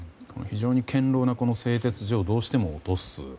非常に堅牢な製鉄所をどうしても落とす。